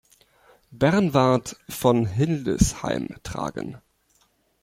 Bernward von Hildesheim tragen.